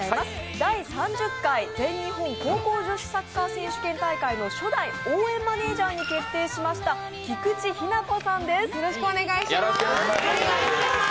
第３０回全日本高校女子サッカー選手権大会の初代応援マネージャーに決定しました菊池日菜子さんです。